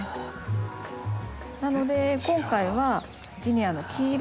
なので今回はジニアの黄色。